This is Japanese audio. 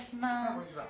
こんにちは。